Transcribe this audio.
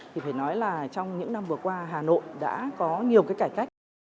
thì phải nói là trong những năm vừa qua hà nội đã có nhiều cái cải cách